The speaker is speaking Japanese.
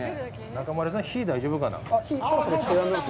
中丸さん、火、大丈夫かな？